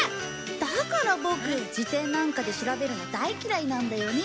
だからボク事典なんかで調べるの大嫌いなんだよね。